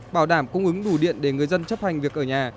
bảo đảm cung ứng đủ điện để người dân chấp hành việc ở nhà